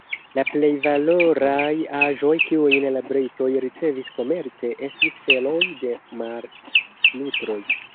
La plej valoraj aĵoj kiujn la Britoj ricevis komerce estis feloj de mar-lutroj.